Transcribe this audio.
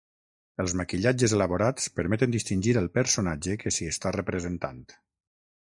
Els maquillatges elaborats permeten distingir el personatge que s'hi està representant.